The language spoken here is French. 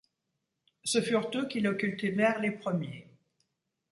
Ce furent eux qui le cultivèrent les premiers.